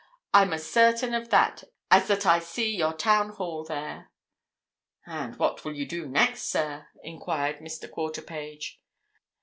I'm as certain of that as that I see your Town Hall there." "And what will you do next, sir?" enquired Mr. Quarterpage.